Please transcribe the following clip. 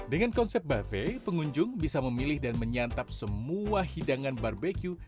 dengan konsep buffe pengunjung bisa memilih dan menyantap semua hidangan barbeque